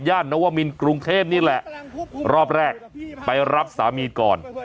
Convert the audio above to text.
นวมินกรุงเทพนี่แหละรอบแรกไปรับสามีก่อน